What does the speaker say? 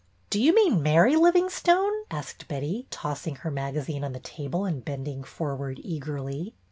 Do you mean Mary Livingstone ?" asked Betty, tossing her magazine on the table and bending forward eagerly.